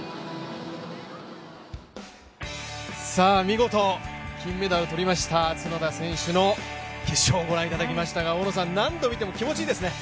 見事、金メダルを取りました角田選手の決勝をご覧いただきましたが、大野さん、何度見ても気持ちいいですね。